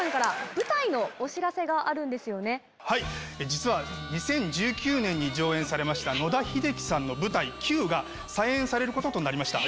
実は２０１９年に上演されました野田秀樹さんの舞台『Ｑ』が再演されることとなりました。